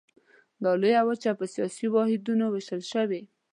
دا لویه وچه په سیاسي واحدونو ویشل شوې.